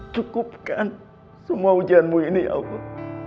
cukupkan semua ujianmu ini ya allah